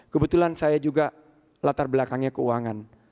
kebetulan saya juga latar belakangnya keuangan